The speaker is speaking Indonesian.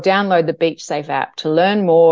atau menyalin api beachsafe untuk belajar lebih banyak